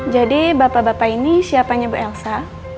jadi bapak bapak ini siapanya bu elsa